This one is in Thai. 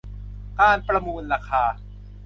การประมูลราคา